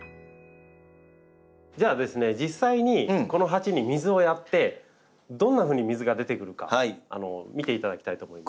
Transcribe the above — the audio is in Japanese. じゃあ実際にこの鉢に水をやってどんなふうに水が出てくるか見ていただきたいと思います。